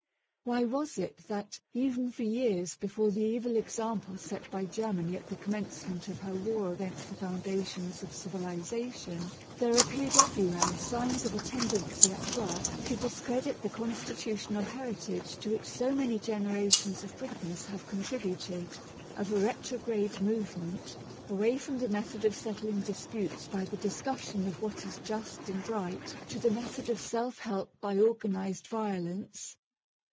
Why was it that, even for years before the evil ex ample set by Germany at the commencement of her war against the foundations of civilization, there appeared everywhere signs of a tendency at work to discredit the constitutional heritage to which so many generations of Britons have contributed ; of a retro 24 MAGNA CARTA (1215 1915) grade movement, away from the method of settling disputes by the discussion of what is just and right to the method of self help by organized violence